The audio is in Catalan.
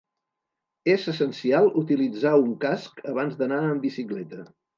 És essencial utilitzar un casc abans d'anar amb bicicleta.